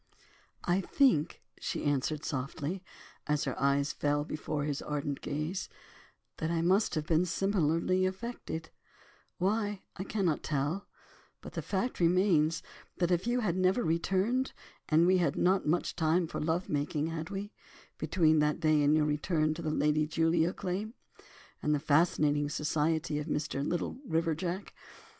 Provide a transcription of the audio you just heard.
"I think," she answered softly, as her eyes fell before his ardent gaze, "that I must have been similarly affected, why, I cannot tell, but the fact remains that if you had never returned—and we had not much time for love making, had we, between that day and your return to the 'Lady Julia' claim, and the fascinating society of Mr. Little River Jack?